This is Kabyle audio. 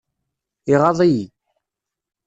Iɣaḍ-iyi.